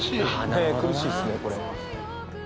ねえ苦しいですねこれ。